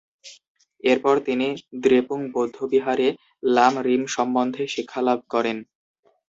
এরপর তিনি দ্রেপুং বৌদ্ধবিহারে লাম-রিম সম্বন্ধে শিক্ষালাভ করেন।